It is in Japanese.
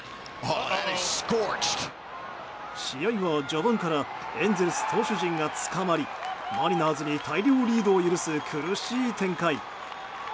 試合は序盤からエンゼルス投手陣がつかまりマリナーズに大量リードを許す苦しい展開。